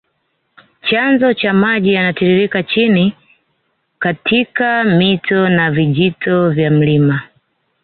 Chanzo cha maji yanatiririke chini katika mito na vijito vya mlima